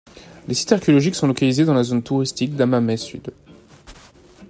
Les sites archéologiques sont localisés dans la zone touristique d'Hammamet Sud.